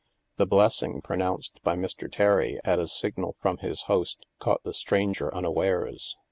The blessing, pronounced by Mr. Terry at a sig nal from his host, caught the stranger unawares.